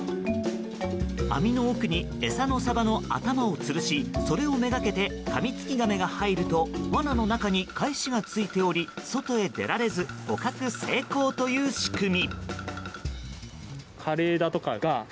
網の奥に餌のサバの頭をつるしそれをめがけてカミツキガメが入るとわなの中に返しがついており外へ出られず捕獲成功という仕組み。